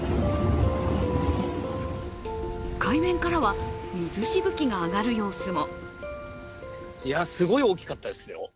海面からは水しぶきが上がる様子も。